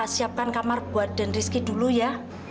siapkan kamar buat dan rizky dulu ya